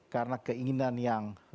keras tak harus benci